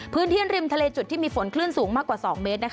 พื้นที่ริมทะเลจุดที่มีฝนคลื่นสูงมากกว่า๒เมตร